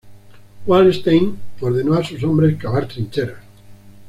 Wallenstein ordenó a sus hombres cavar trincheras.